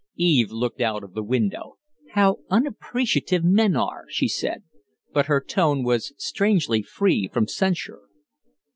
Eve looked out of the window. "How unappreciative men are!" she said. But her tone was strangely free from censure.